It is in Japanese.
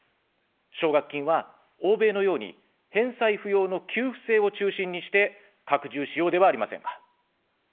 奨学金は、欧米のように返済不要の給付制を中心にして、拡充しようではありませんか。